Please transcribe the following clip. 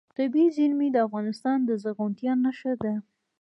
طبیعي زیرمې د افغانستان د زرغونتیا نښه ده.